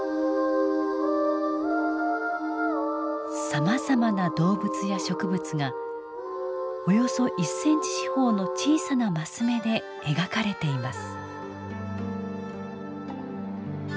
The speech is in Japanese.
さまざまな動物や植物がおよそ１センチ四方の小さな升目で描かれています。